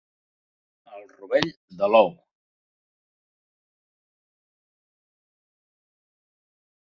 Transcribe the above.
El rovell de l'ou.